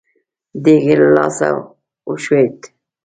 دېګ يې له لاسه وښوېد.